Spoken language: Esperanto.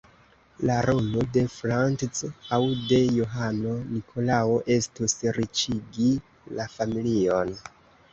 La rolo de Frantz aŭ de Johano-Nikolao estus, riĉigi la familion.